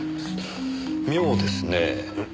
妙ですねえ。